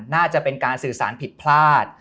น่าจะเป็นการสื่อสารผิดพลาด